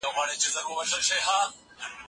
خندا د فشار او خپګان مخنیوی کوي.